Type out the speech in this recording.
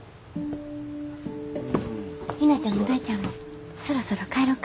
陽菜ちゃんも大ちゃんもそろそろ帰ろか。